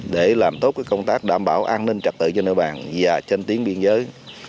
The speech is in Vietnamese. để làm tốt công tác đảm bảo an ninh trật tự trên nơi bàn và trên tuyến biên giới